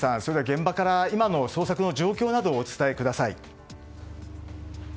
現場から、今の捜索の状況などをお伝えください。